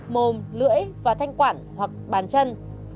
mồm lưỡi và thanh quản hoặc bàn chân